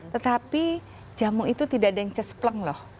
tetapi jamu itu tidak ada yang cespleng loh